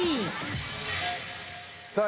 さあ